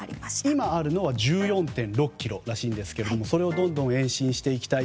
今あるのは１４．６ｋｍらしいんですがそれをどんどん延伸していきたい。